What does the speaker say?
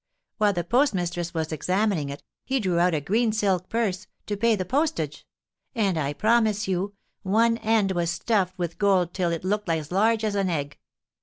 While the postmistress was examining it, he drew out a green silk purse, to pay the postage; and, I promise you, one end was stuffed with gold till it looked as large as an egg.